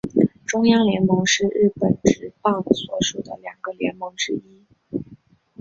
中央联盟是日本职棒所属的两个联盟之一。